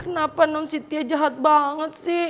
kenapa non sitia jahat banget sih